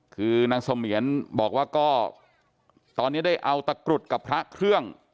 คือนางเสมียนบอกว่าก็ตอนนี้ได้เอาตะกรุดกับพระเครื่อง